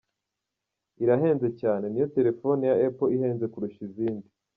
Irahenze cyane, niyo telefoni ya Apple ihenze kurusha izindi.